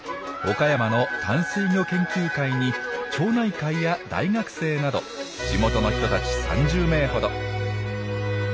岡山の淡水魚研究会に町内会や大学生など地元の人たち３０名ほど。